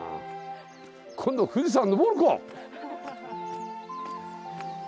今度富士山登るか！